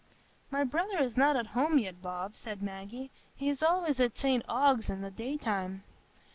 "My brother is not at home yet, Bob," said Maggie; "he is always at St Ogg's in the daytime."